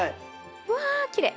わきれい！